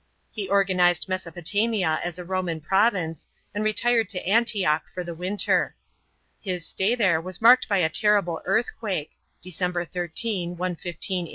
He organised Mesopotamia as a Roman province, and retired to Antioch for the winter. His stay there was marked by a terrible earthquake (Dec. 13, 115 A.D.)